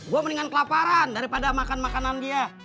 gue mendingan kelaparan daripada makan makanan dia